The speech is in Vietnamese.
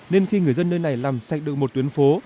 nên khi người dân nơi này làm sạch được một tuyến phố